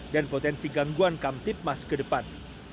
dan potensi gangguan kamtip mas ke depan